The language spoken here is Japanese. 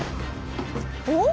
おっ！